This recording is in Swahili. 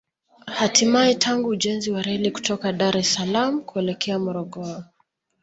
Hatimae tangu ujenzi wa reli kutoka Dar es Salaam kuelekea Morogoro